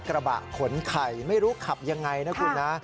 กระบะขนไข่ไม่รู้ขับยังไงนะคุณนะ